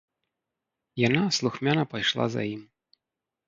Яна слухмяна пайшла за ім.